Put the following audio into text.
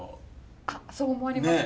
あっそう思われますか？